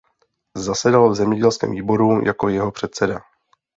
Zasedal v zemědělském výboru jako jeho předseda.